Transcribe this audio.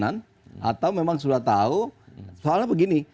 atau memang sudah tahu soalnya begini